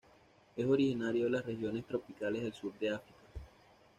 Es originario de las regiones tropicales del sur de África.